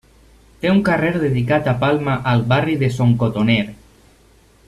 Té un carrer dedicat a Palma al barri de Son Cotoner.